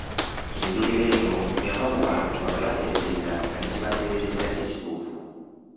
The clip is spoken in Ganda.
Enjogera eno yava mu Bantu nga bateebereza nga ne kyebateeberezza kye kituufu.